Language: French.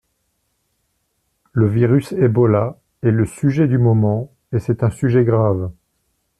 Le virus Ebola est le sujet du moment et c’est un sujet grave.